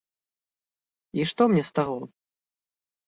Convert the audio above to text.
І што мне з таго?